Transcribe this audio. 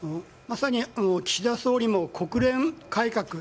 まさに岸田総理も国連改革